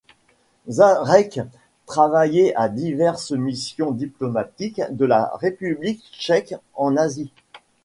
Žďárek travaillé à diverses missions diplomatiques de la République tchèque en Asie.